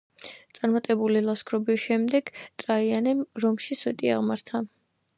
წარმატებული ლაშქრობის შემდეგ ტრაიანემ რომში სვეტი აღმართა.